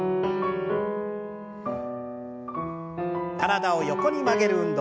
体を横に曲げる運動。